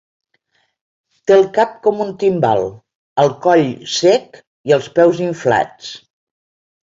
Té el cap com un timbal, el coll sec i els peus inflats.